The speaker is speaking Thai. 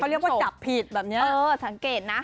เรียกว่าจับผิดแบบนี้สังเกตนะ